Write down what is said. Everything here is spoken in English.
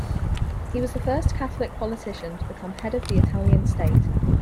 He was the first Catholic politician to become Head of the Italian State.